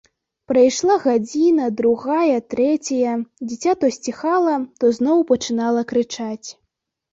Прайшла гадзіна, другая, трэцяя, дзіця то сціхала, то зноў пачынала крычаць.